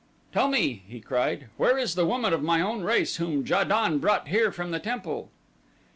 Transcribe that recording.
"Tell me," he cried, "where is the woman of my own race whom Ja don brought here from the temple?"